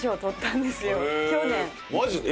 マジで？